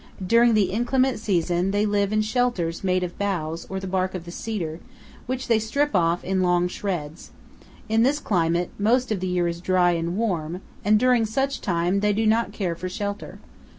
During the inclement season they live in shelters made of boughs or the bark of the cedar, which they strip off in long shreds. In this climate, most of the year is dry and warm, and during such time they do not care for shelter.